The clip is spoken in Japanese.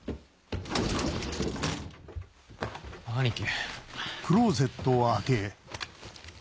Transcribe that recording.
兄貴。